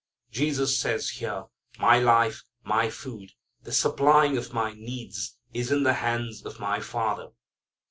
Jesus says here, "My life, my food, the supplying of my needs is in the hands of my Father.